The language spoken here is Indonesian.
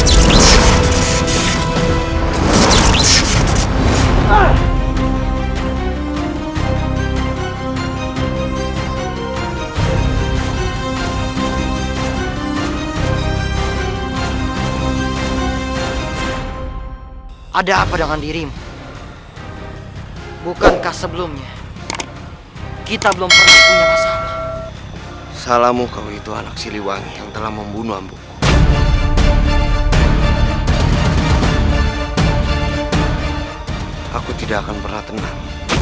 terusah terusah terusah terusah